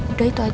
udah itu aja